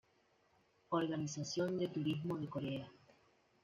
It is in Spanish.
Organización de Turismo de Corea